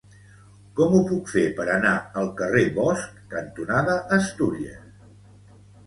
Com ho puc fer per anar al carrer Bosch cantonada Astúries?